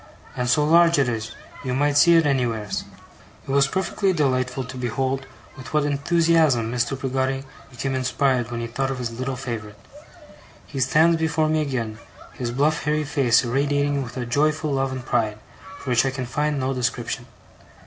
And so large it is, you might see it anywheres.' It was perfectly delightful to behold with what enthusiasm Mr. Peggotty became inspired when he thought of his little favourite. He stands before me again, his bluff hairy face irradiating with a joyful love and pride, for which I can find no description.